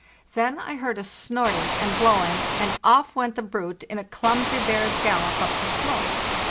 Then I heard a snorting and blowing, and off went the brute in a clumsy bear's gallop up the slope.